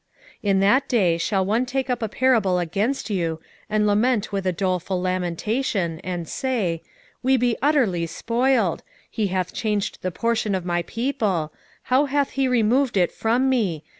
2:4 In that day shall one take up a parable against you, and lament with a doleful lamentation, and say, We be utterly spoiled: he hath changed the portion of my people: how hath he removed it from me!